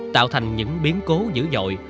tạo thành những biến cố dữ dội